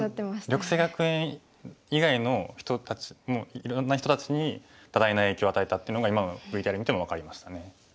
緑星学園以外のいろんな人たちに多大な影響を与えたっていうのが今のＶＴＲ見ても分かりましたね。